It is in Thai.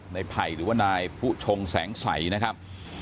ไผ่หรือว่านายผู้ชงแสงสัยนะครับ